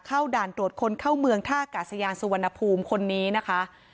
ด่านตรวจคนเข้าเมืองท่ากาศยานสุวรรณภูมิคนนี้นะคะ